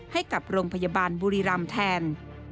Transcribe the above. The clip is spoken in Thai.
ให้กับโรงพยาบาลบุรีรำแทน